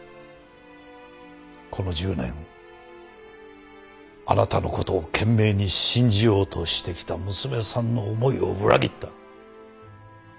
この１０年あなたの事を懸命に信じようとしてきた娘さんの思いを裏切った。